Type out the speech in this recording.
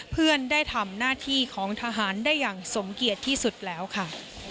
เพื่อนได้ทำหน้าที่ของทหารได้อย่างสมเกียจที่สุดแล้วค่ะ